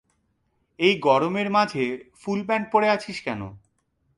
এই গরমের মাঝে ফুল প্যান্ট পরে আছিস কেন?